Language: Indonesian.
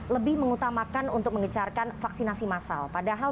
lebih mengutamakan untuk mengecarkan vaksinasi massal